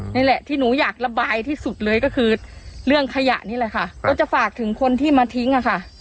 นี่แหละที่หนูอยากระบายที่สุดเลยก็คือเรื่องขยะนี่แหละค่ะก็จะฝากถึงคนที่มาทิ้งอะค่ะ